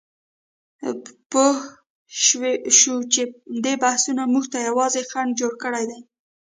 پوهه شو چې دې بحثونو موږ ته یوازې خنډ جوړ کړی دی.